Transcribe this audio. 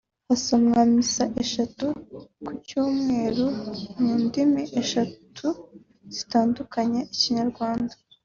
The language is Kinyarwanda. hasomwa misa eshatu ku cyumweru mu ndimi eshatu zitandukanye (Ikinyarwanda